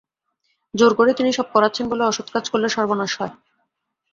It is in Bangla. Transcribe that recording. জোর করে তিনি সব করাচ্ছেন বলে অসৎ কাজ করলে সর্বনাশ হয়।